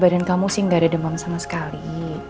ya baden kamu sih nggak ada demam sama sekali